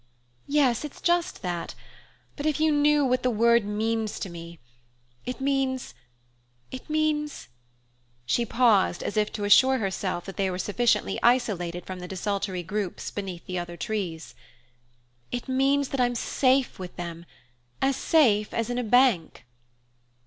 "Yes, it's just that! But if you knew what the word means to me! It means it means " she paused as if to assure herself that they were sufficiently isolated from the desultory groups beneath the other trees "it means that I'm safe with them: as safe as in a bank!"